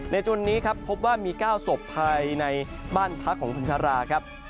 จนนี้ครับพบว่ามี๙ศพภายในบ้านพักของคุณชาราครับ